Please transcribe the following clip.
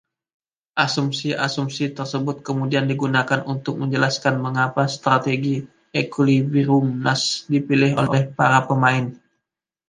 Asumsi-asumsi tersebut kemudian digunakan untuk menjelaskan mengapa strategi ekuilibrium Nash dipilih oleh para pemain.